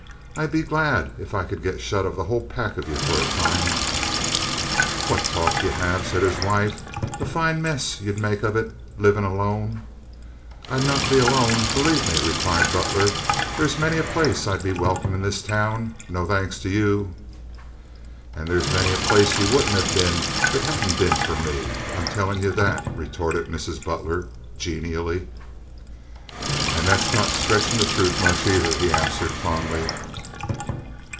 I'd be glad if I could get shut of the whole pack of ye for a time." "What talk ye have!" said his wife. "A fine mess you'd make of it livin' alone." "I'd not be alone, belave me," replied Butler. "There's many a place I'd be welcome in this town—no thanks to ye." "And there's many a place ye wouldn't have been if it hadn't been for me. I'm tellin' ye that," retorted Mrs. Butler, genially. "And that's not stretchin' the troot much, aither," he answered, fondly.